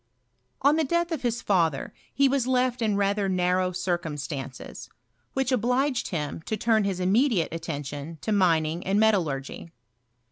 On the death of his father he was left in rather narrow circumstances, which obliged him lo turn hia immediate attention to mining and metallurgy.